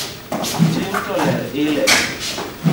Tin to ler ile